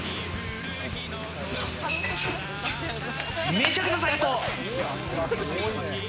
めちゃくちゃ最高！